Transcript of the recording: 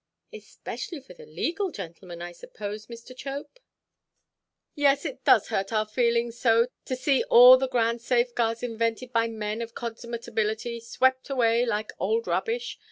"Especially for the legal gentlemen, I suppose, Mr. Chope?" "Yes. It does hurt our feelings so to see all the grand safeguards, invented by men of consummate ability, swept away like old rubbish.